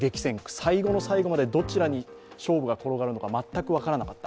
最後の最後までどちらに勝負が転がるのか全く分からなかった。